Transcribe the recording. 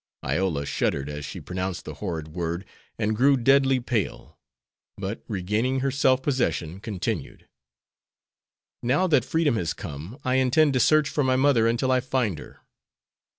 Iola shuddered as she pronounced the horrid word, and grew deadly pale; but, regaining her self possession, continued: "Now, that freedom has come, I intend to search for my mother until I find her."